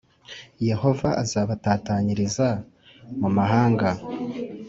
Yehova azabatatanyiriza mu mahanga,